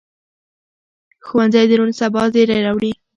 ښوونځی د روڼ سبا زېری راوړي